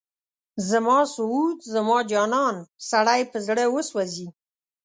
زما سعود، زما جانان، سړی په زړه وسوځي